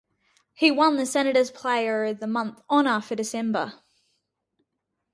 He won the Senators' Player of the Month honour for December.